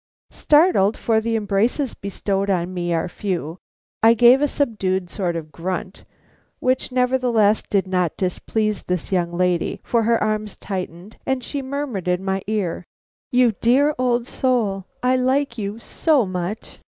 Startled, for the embraces bestowed on me are few, I gave a subdued sort of grunt, which nevertheless did not displease this young lady, for her arms tightened, and she murmured in my ear: "You dear old soul! I like you so much."